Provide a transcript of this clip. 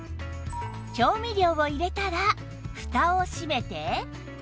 調味料を入れたらふたを閉めて